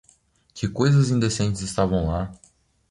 Que coisas indecentes estavam lá!